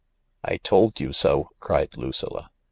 "I told you so!" cried Lucilla.